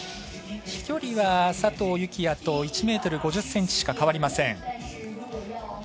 飛距離は佐藤幸椰と１ｍ５０ｃｍしか変わりません。